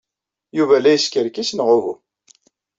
Yuba la yeskerkis neɣ uhu?